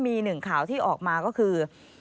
มีหนึ่งข่าวที่ออกมาก็คือ